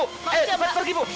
cepat pergi bu